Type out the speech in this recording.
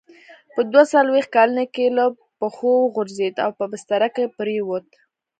په دوه څلوېښت کلنۍ کې له پښو وغورځېد او په بستره کې پرېووت.